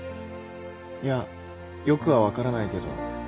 いやよくは分からないけど。